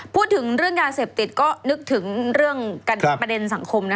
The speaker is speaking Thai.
พูดถึงเรื่องยาเสพติดก็นึกถึงเรื่องประเด็นสังคมนะ